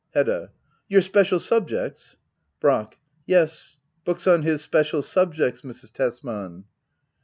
Hedda. Your special subjects ? Brack. Yes^ books on his special subjects^ Mrs. Tesman.